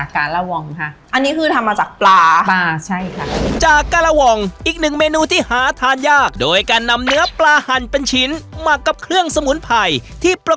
คือเบไรง่ายหิดขึ้นมา